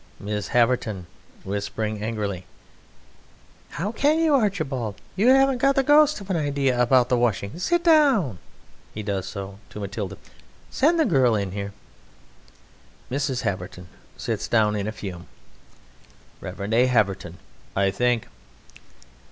MRS. HAVERTON (whispering angrily): How can you, Archibald! You haven't got The ghost of an idea about the washing! Sit down. (He does so.) (To Matilda) Send the Girl in here. MRS. HAVERTON sits down in a fume. REV. A. HAVERTON: I think....